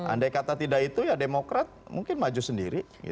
andai kata tidak itu ya demokrat mungkin maju sendiri